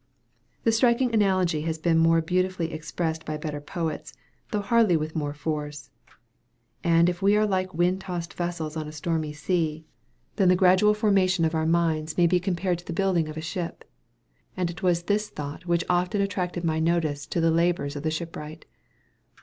The striking analogy has been more beautifully expressed by better poets, though hardly with more force. And if we are like wind tossed vessels on a stormy sea, then the gradual formation of our minds may be compared to the building of a ship. And it was this thought which often attracted my notice to the labors of the shipwright.